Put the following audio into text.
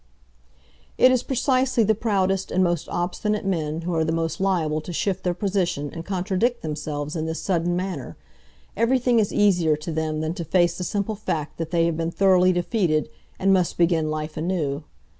It is precisely the proudest and most obstinate men who are the most liable to shift their position and contradict themselves in this sudden manner; everything is easier to them than to face the simple fact that they have been thoroughly defeated, and must begin life anew.